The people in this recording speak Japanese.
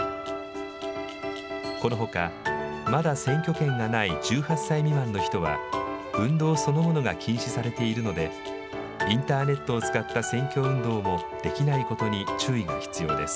このほか、まだ選挙権がない１８歳未満の人は、運動そのものが禁止されているので、インターネットを使った選挙運動もできないことに注意が必要です。